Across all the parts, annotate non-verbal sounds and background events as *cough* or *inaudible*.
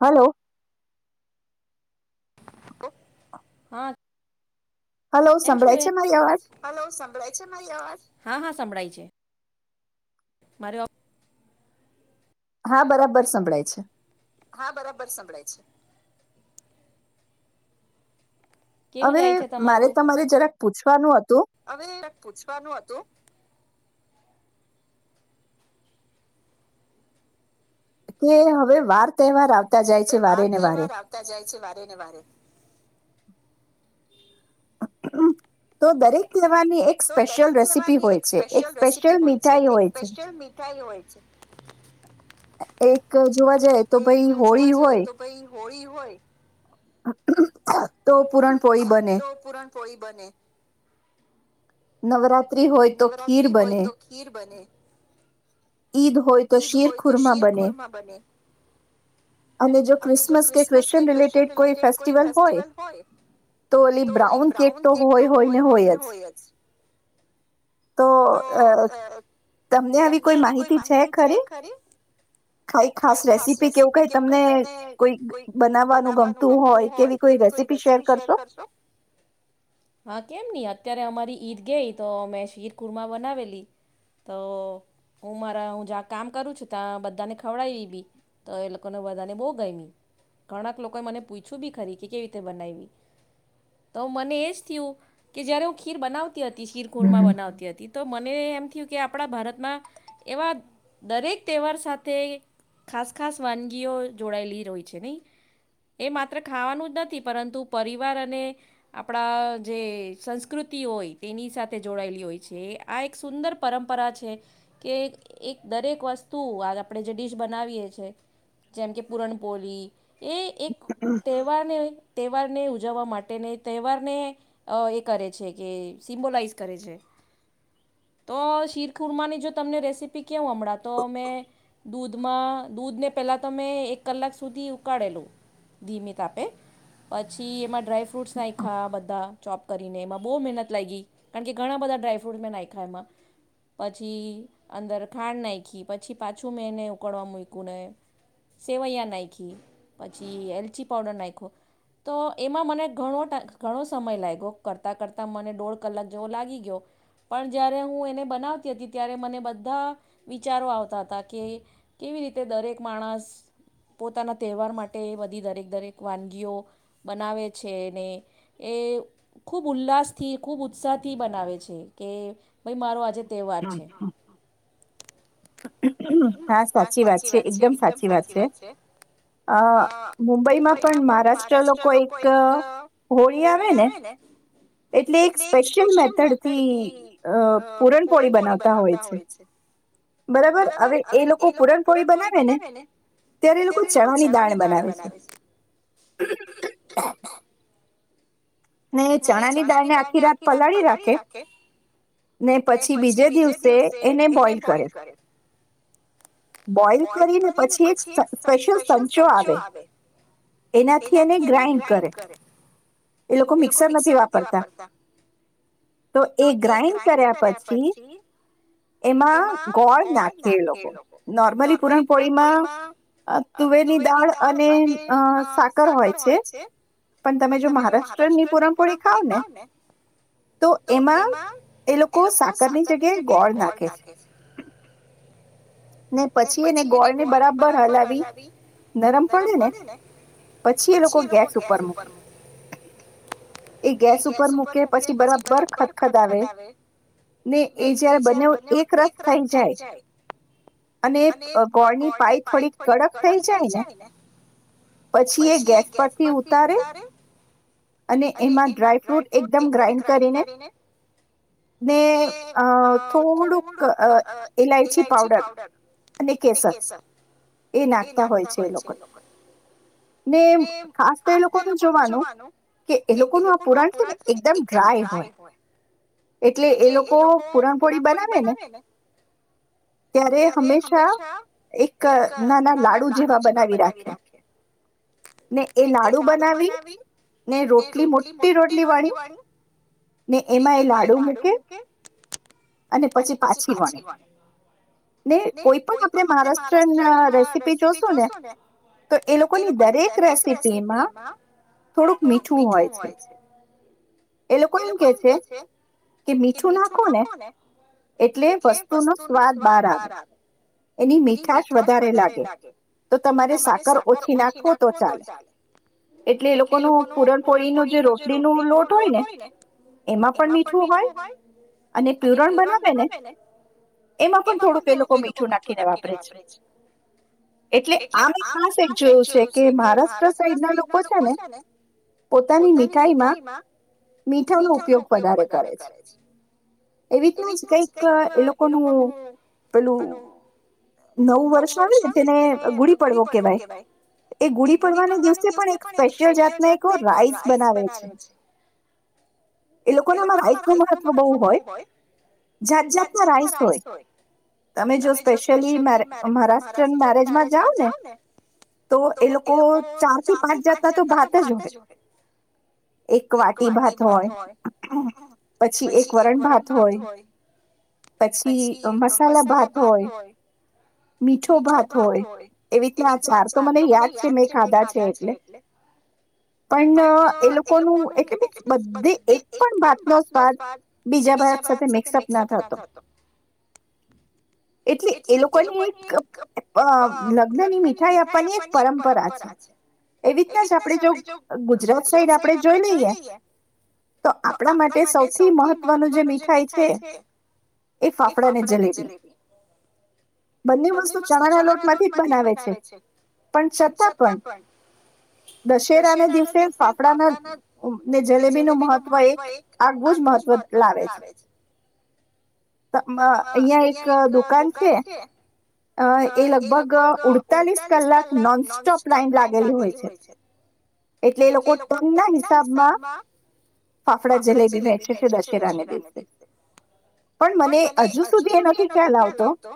હાલલો હા એમ છ, હલો સંભળય છે મારી આવાજ? હા હા સંભળાય છે. મરે ઓ હા બરાબર સંભળાય છે. હા બરાબર સંભળાય છે. હવે મારે તમારે જરાક પૂછવાનું હતું? કે હવે વાર તહેવાર એ વાર તહેવાર આવતા જાય છે વારે ને વારે. *inaudible* તો દરેક ત્યોહારની એક સ્પેશિયલ રેસીપી હોય છે એક સ્પેશિયલ મીઠાઈ હોય છે. હોય છે. એક જોવા જાય તો ભાઈ હોળી હોય હોળી હોય તો પુરણપોળી બને પોઈ બને નવરાત ત્રી હોય તો ખીર બને, ઈદ ઈદ હોય તો શિરખુરમાં બને અને જો ક્રિસમસ ક્રિસ્ટીન રિલેટેડ કોઈ ફેસ્ટિવલ હોય તો ઓલી બ્રાઉન કેક તો હોય હોયને હોય જ. તો અહ તમને આવી કોઈ માહિતી છે? હા કેમ નઈ અત્યા રે અમારી ઈદ ગઈ તો મેં શીર કુરમા બનાવેલી તો હું મારા હું જા કામ કરું છું ત્યાં બધાને ખવડાવી બી તો એ લોકોને બધાને બહુ ગઈમી. ઘણાક લોકોએ મને પૂછ્યું બી ખરી કે કેવી રીતે બનાવીવી તો મને એ જ થયું કે જયારે હું ખીર બનાવ તી હતી શિરખુરમાં બનાવતી હતી તો મને એમ થિયું કે આપડા ભારતમાં એવા દરેક તહેવાર સાથે ખાસ ખાસ વાનગીઓ જોડાયેલી રોય છે નહીં. એ માત્ર ખાવાનું જ નથી પરંતુ પરિવાર અને આપડા જે સંસ્કૃતિ હોય તેની સાથે જોડાયેલી હોય છે એ. આ એક સુંદર પરંપરા છે કે એ એક દરેક વસ્તુ આજ આપડે જે ડિશ બનાવીએ છીએ, જેમ કે પૂરણપોરી, એ એક તેવાને તહેવારને ઉજવવા માટે, તહેવારને અહ એ કરે છે કે સિમ્બોલાઈઝ કરે છે. તો શીરખુરમાની જો તમને રેસીપ પી કેહુ હમણાં તો અમેં દૂધમાં દૂધને પહેલાં તમે એક કલાક સુધી ઉકાળેલું, ધીમી તાપે. પછી એમાં ડ્રાયફ્રૂટ્સ નાંખ્યા બધા ચોપ કરીને એમાં બહુ મહેનત લાગી કારણ કે ઘણા બધા ડ્રાયફ્રૂટ્સ મેં નાખ્યા એમાં. પછી અંદર ખાંડ નાખી, પછી પાછું મેં એને ઉકળવા મૂકું ને સેવૈયા નાખી. પછી એલચી પાવડર નાયખો, તો એમાં મને ઘણો ટા ઘણો સમય લાગ્યો કરતાં કરતાં મને દોઢ કલાક જેવો લાગી ગયો. પણ જ્યારે હું એને બનાવતી હતી ત્યારે મને બધ ધા વિચારો આવતા હતા કે કેવી રીતે દરેક માણસ પોતાના તહેવાર માટે બધી, દરેક-દરેક વાનગીઓ બનાવે છે ને એ ખૂબ ઉલ્લાસથી ખૂબ ઉત્સાહથી બનાવે છે કે ભાઈ મારો આજે તહેવાર છે. હા, સાચી વાત છે. એકદમ સાચી વાત છે. અહ મુંબઈમાં પણ મહારાષ્ટ્ર લોકો એક હોળી આવે ને એટલે એક સ્પેશિયલ મેથડ થી અ પૂરણપોળી બનાવતા હોય છે બરા હવે એ લોકો પૂરણપોળી બનાવે ને ત્યારે એ લોકો ચણાની દાળ બનાવે છે. ને ચણાની દાળને આખી રાત પલાળી રાખે. ને પછી બીજે દિવસે એને બોઈલ કરે બોઈલ કરીને પછી એક સ્પેશિયલ સંચો આવે એનાથી એને ગ્રાઈન્ડ કરે. એ લોકો મિક સર નથી વાપરતા તો એ ગ્રાઇન્ડ કર્યા પછી એમાં ગોળ નાખે એ લોકો નોર્મલી પૂરણપોળીમાં અ તુવેરની દાળ અને અ સાકર હોય છે પણ તમે જો મહારાષ્ટ્રની ની પુરણપોળી ખાવ ને તો એમાં એ લોકો સાકરની જગ્યાએ ગોળ નાખે છે. ને પછી એને ગોળને બરાબર હલાવી નરમ પડે ને પછી એ લોકો ગેસ ઉપર મૂકે. એ ગેસ ઉપર મૂકે, પછી બરાબર ખદખદ આવે ને, એ જ્યારે બનેઓ, એક રસ થઈ જાય અને ગોળની પાય થોડી કડક થઈ જાય ને, પછી એ ગેસ પરથી ઉતારે. અને એમાં ડ્રાયફ્રુટ એકદમ ગ્રાઈન્ડ કરીને ને, અ થોડુંક અ ઇલાયચી પાવડર અને કેસર એ નાખતા હોય છે, એ લોકો ને. ખાસ તો એ લોકોનું જોવાનું કે એ લોકોનું આ પૂરણ છે ને, એકદમ ડ્રાય હોય. એટલે એ લોકો પૂરણપોળી બનાવે ને, ત્યારે હંમેશા હંમેશાં એક નાના લાડુ જેવું બનાવી રાખે ને, એ લાડુ બનાવીને પછી પુરણપોળી બનાવે છે. ને રોટલી મોટી રોટલી વાળી ને એમાં એ લાડુ મૂકે, અને પછી પાછી વણે ને કોઈપણ આપણે મહારાષ્ટ્રના રેસીપી જોશું ને, તો એ લોકોની દરેક રેસીપીમાં થોડુંક મીઠું હોય છે. એ લોકો એમ કે છે કે, મીઠું નાખો ને, એટલે વસ્તુનો સ્વાદ બહાર આવે. એની મીઠાશ વધારે લાગે તો તમારે સાકર ઓછી નાખો તો ચાલે એટલે એ લોકોનું પુરણપોળી ન જે રોટલી ન લોટ હોય ને એમાં પણ મીઠું હોય અને પ્યુરણ બનાવે ને એમાં પણ થોડુંક એ લોકો મીઠ ું નાખીને વાપરે છે એટલે આ મે ખાસ એક જોયું છે કે મહારાષ્ટ્ર સાઈડ ના લોકો છે ને પોતાની મીઠાઈમાં મીઠાનોો ઉપયોગ વધારે કરે છે એવી રીતના જ કઈક એ લોકોનું પેલું નવું વર્ષ આવેને તેને ગુડી પડવો કેવાય એ ગુડી પડવાના દિવસે પણ એક સ્પેશિયલ જાતના રાઈસ બનાવે છે એ લોકો નામાં રાઈસ ન મહત્વ બહુ હોય જાત જાતના રાઈસ હોય તમે જો સ્પેશિયલી મે મહારાષ્ટ્રન મેરેજમાં જાાવ ને તો એ લોકો ચાર થી પાંચ જાતા તો ભાત જ હોય એક વાટી ભાત હોય પછી એક વરણ ભાત હોય પછી મસાલા ભાત હોય હોય મીઠો ભાત હોય એવી રીતના આ ચાર તો મને યાદ છે મેં ખાધા છે એટલે પણ એ લોકોનું એટલે બધે એક પણ ભાતનોો સ્વાદ બીજા ભાત સાથે મિક્સઅપ ના થતો એટલે એ લોકો લોકોની એક લગ્નની મીઠાઈ આપવાની એક પરંપરા છે એ રીતના જ આપણે જો ગુજરાત સાઈડ આપણે જોઈ લઈએ તો આપણા માટે સૌથી મહત્વનું જે મીઠાઈ છે એ ફાફડા અને જલેબી બંને વસ્તુ ચણા ના લોટ માંથી જ બનાવે છે પણ છતાં પણ દશેરાને દિવસે પાાપડાના ને જલેબી નું મહત્વ એક આગવું જ મહત્વ લાવે છે અહિયાં એક દુખ દુકાન અ એ લગભગ ઉડતાલીસ કલાક નોન સોપ લાઈન લાગેલી હોય છે એટલે એ લોકો ટન ના હિસાબમાં ફાફડા જલેબી વેચે છે દશેરાને દિવસે પણ મને હજુ સુધી એ નથી ખ્યાલ આવતો ાવતો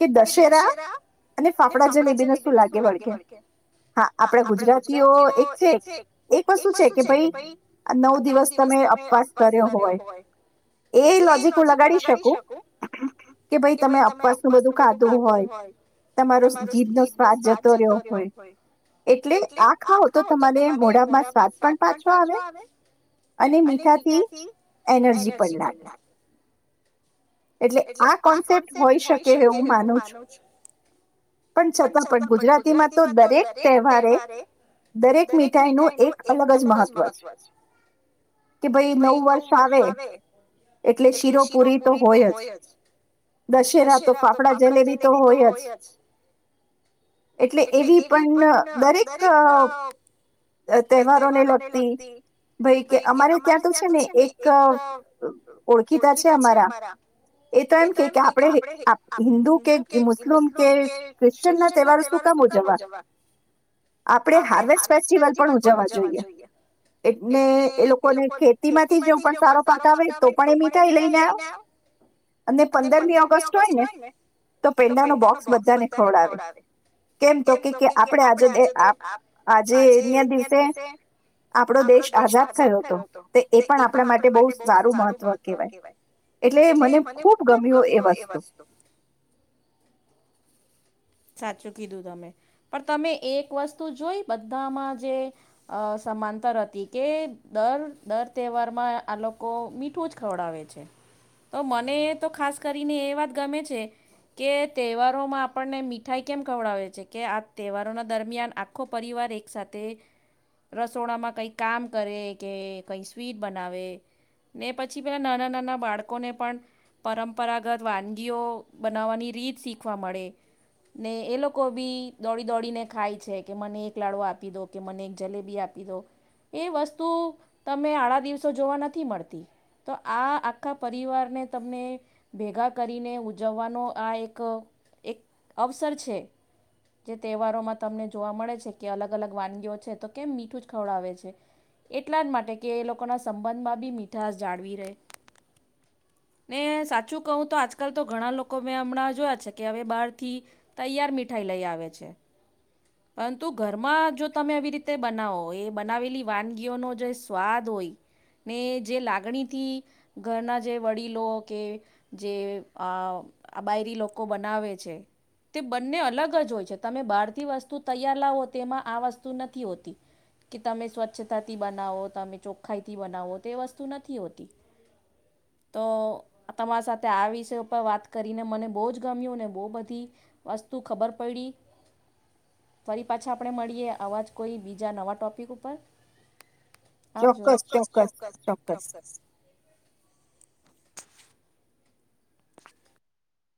કે દશેરા અને ફાફડા જે લબીને શું લાગે વળગે હા આપડા ગુજરાતીઓ એક છે એક વસ્તુ છે કે ભાઈ નવ દિવસ તમે અપવાસ કર્યો હોય એ લોજક હું લગાડી શકું કે ભાઈ તમે અપસ ું બધું ખાધું હોય તમારો જીભ નો સ્વાદ જતો રહ્યો હોય એટલે આ ખાાવ તો તમારે મોડામાં સ્વાદ પણ પાછો આવે અને મીઠાથી એનર્જી પણ લાગે એટલે આ કોન્સેપ્ટ હોય શકે એવું માનું છું પણ છતાં પણ ગુજરાતીમાં તો દરેક તહેવારે દરેક મીઠાઈ નું એક અલગ જ મહત્વ છે કે ભાઈ નવું વર્ષ આવે એટલે શીરો પુરી તો હોય જ. દશેરા તો ફાફડા જલેબી તો હોય જ, એટલે એવી પણ દરેક તહેવારોને લગતી ભઈ કે અમારે ત્યાં તો છે ને એક ઓળખીતા છે, અમારા એ તો એ તો એમ કે કે આપણે આપ હિન્દુ કે મુસ્લિમ કે કૃષચના ના તહેવારો શું કામ ઉજવા, આપણે હારવેસ્ટ ફેશ પંદરમી ઓગસ્ટ હોય ને તો પેન્ડા નો બોક્સ બધાને ખવડાવે, કેમ તો કે કે આપણે આજે આ આજ આપણો દેશ આઝાદ થયો હતો, એ પણ આપણા માટે બહુ સારું મહત્વ કહેવાય, એટલે મને ખૂબ ગમ્યો એ વસ્તુ. સાચું કીધું તમે પણ તમે એક વસ્તુ જોઈ બધામાં જે અ સમાંતર હતી કે દર દર તહેવારમાં આ લોકો મીઠું જ ખવડાવે છે, તો મને તો ખાસ કરીને એ વાત ગમે છે, કે તહેવારોમાં આપણને મી ઠાય કેમ ખવડાવે છે કે આ તહેવારોના દરમિયાન આખો પરિવાર એક સાથે રસોડામાં કંઈ કામ કરે કે, કંઈ સ્વીટ બનાવે ને પછી પેલા નાના નાના બાળકોને પણ પરંપરાગત વાનગીઓ બનાવવાની રીત શીખવા મળે. ને એ લોકો બી દોડી દોડીને ખાય છે, કે મને એક લાડવો આપી દો, કે મને એક જલેબી આપી દો, એ વસ્તુ તમે આડા દિવસો જોવા નથી મળતી, તો આ આખા પરિવારને તમને ભેગા કરીને ઉજવવાનો આ એક એક અવસર છે, જે તહેવારોમાં તમને જોવા મળે છે કે અલગ અલગ વાનગીઓ છે તો કેમ મીઠું જ ખવડાવે છે, એટલા જ માટે કે એ લોકોના સંબંધમાં બી મીઠા જાળવી રહે, ને સાચું કહું તો આજકાલ તો ઘણા લોકો મેં હમણાં જોયા છે કે હવે બહાર થી તૈયાર મીઠાઈ લઈ આવે છે, પરંતુ ઘરમાં જો તમે આવી રીતે બનાવો એ બનાવેલી વાનગીઓનો જે સ્વાદ હોય ને જે લાગણીથી ઘરના જે વડીલો કે જે બાયરી લોકો બનાવે છે તે બંને અલગ જ હોય છે, તમે બહારથી વસ્તુ તૈયાર લાવો તેમાં આ વસ્તુ નથી હોતી, કે તમે સ્વચ્છતાથી બનાવો તમે ચોખ્ખાઈથી બનાવો તે વસ્તુ નથી હોતી, તો તમારા સાથે આ વિષય પર વાત કરીને મને બહુ જ ગમ્યું ને બહુ બધી વસ્તુ ખબર પડી ફરી પાછા આપણે મળીએ આવાજ કોઈ બી જા નવા ટૉપિક ઉપર. અવાજો ચોક્કસ ચોક્કસ ચોક્કસ.